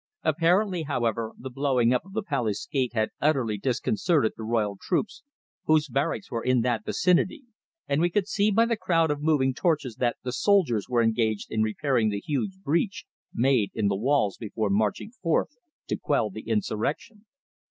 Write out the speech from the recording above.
Apparently, however, the blowing up of the palace gate had utterly disconcerted the royal troops whose barracks were in that vicinity, and we could see by the crowd of moving torches that the soldiers were engaged in repairing the huge breach made in the walls before marching forth to quell the insurrection.